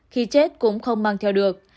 khi chết cũng không mang theo được